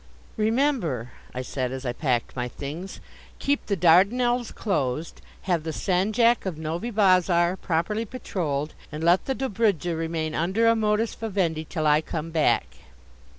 "Remember," I said, as I packed my things, "keep the Dardanelles closed; have the Sandjak of Novi Bazaar properly patrolled, and let the Dobrudja remain under a modus vivendi till I come back."